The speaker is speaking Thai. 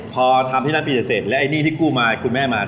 พอทำที่นั่นปีเสร็จแล้วไอ้หนี้ที่กู้มาคุณแม่มา